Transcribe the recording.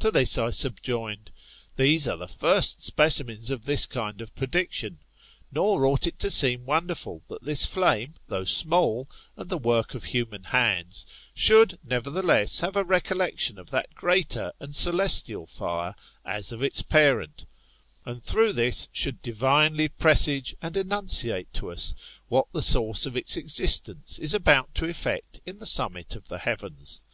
To this, I subjoined, These are the first specimens of this kind of prediction. Nor ought it to seem wonderful, that this flame, though small, and the work of human hands, should, never theless, have a recollection of that greater and celestial fire, as of its parent : and, through this, should divinely presage and enunciate to us what the source of its existence is about to effect in the summit of the heavens.